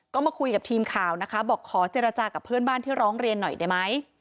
ก็มาคุยกับทีมข่าวนะคะบอกขอเจรจากับเพื่อนบ้านที่ร้องเรียนหน่อยได้ไหม